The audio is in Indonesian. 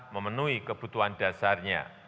memenuhi kebutuhan dasarnya